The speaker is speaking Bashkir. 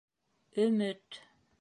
Өмөт.